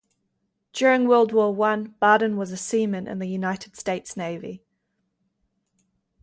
During World War One, Barden was a seaman in the United States Navy.